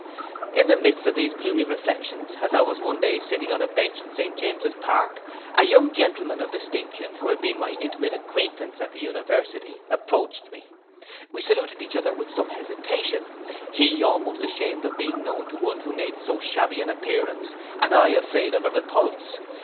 'In the midst of these gloomy reflections, as I was one day sitting on a bench in St James's park, a young gentleman of distinction, who had been my intimate acquaintance at the university, approached me. We saluted each other with some hesitation, he almost ashamed of being known to one who made so shabby an appearance, and I afraid of a repulse.